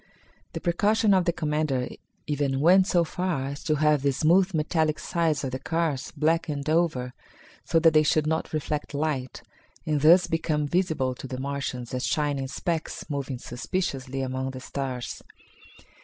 The precaution of the commander even went so far as to have the smooth metallic sides of the cars blackened over so that they should not reflect light, and thus become visible to the Martians as shining specks, moving suspiciously among the stars.